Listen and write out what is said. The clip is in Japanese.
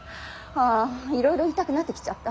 ああいろいろ言いたくなってきちゃった。